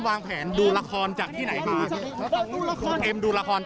อย่าเพิ่งขอขักเลยอย่าต้อง